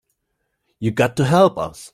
You got to help us.